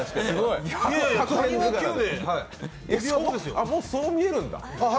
ああ、もうそう見えるんだ？